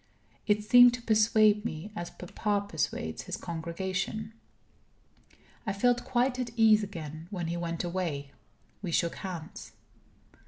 It seemed to persuade me as papa persuades his congregation. I felt quite at ease again. When he went away, we shook hands.